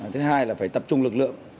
thứ hai là phải tập trung lực lượng